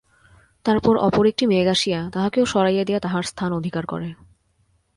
তারপর অপর একটি মেঘ আসিয়া তাহাকেও সরাইয়া দিয়া তাহার স্থান অধিকার করে।